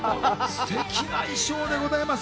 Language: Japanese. ステキな衣装でございます。